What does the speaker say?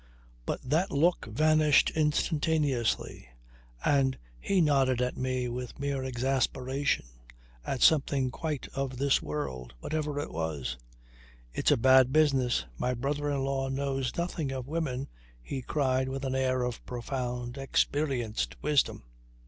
But that look vanished instantaneously, and he nodded at me with mere exasperation at something quite of this world whatever it was. "It's a bad business. My brother in law knows nothing of women," he cried with an air of profound, experienced wisdom.